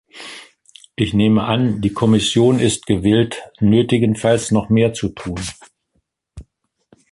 Ich nehme an, die Kommission ist gewillt, nötigenfalls noch mehr zu tun.